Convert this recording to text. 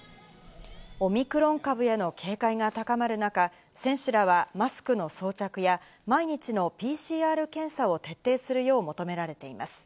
オミクロン株への警戒が高まる中、選手らはマスクの装着や、毎日のＰＣＲ検査を徹底するよう求められています。